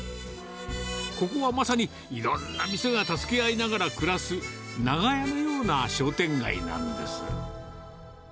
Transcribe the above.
ここはまさに、いろんな店が助け合いながら暮らす、長屋のような商店街なんです。